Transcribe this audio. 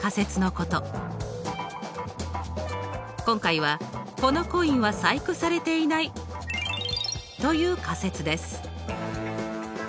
今回は「このコインは細工されていない」という仮説です。